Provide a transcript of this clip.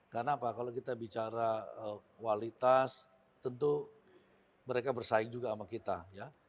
karena apa kalau kita bicara kualitas tentu mereka bersaing juga sama kita ya